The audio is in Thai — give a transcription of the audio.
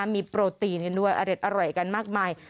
มีโปรตีนด้วยอร่อยกันมากมาย